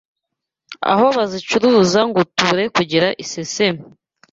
aho bazicuruza ngo tubure kugira iseseme.